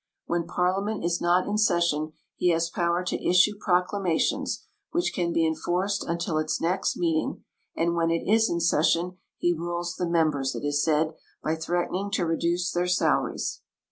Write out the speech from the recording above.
When parliament is not in session, he has poAver to issue proc lamations, Avhich can be enforced until its next meeting, and Avben it is in session he rules the members, it is said, b}'' threat ening to reduce their salaries.